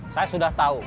saya sudah tahu